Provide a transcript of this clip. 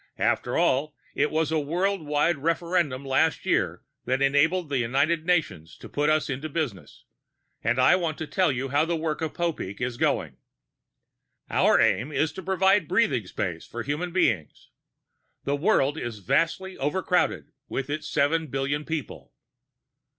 After all, it was the world wide referendum last year that enabled the United Nations to put us into business. And I want to tell you how the work of Popeek is going. "Our aim is to provide breathing space for human beings. The world is vastly overcrowded, with its seven billion people.